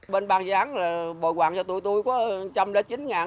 bên bàn gián là bồi quạng cho tụi tui có trăm đến chín ngàn